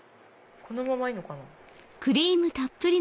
このままいいのかな？